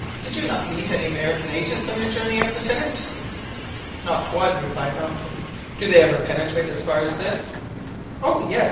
Did you not meet any American agents on your journey up, Lieutenant?" "Not one," replied Hobson. "Do they ever penetrate as far as this?" "Oh yes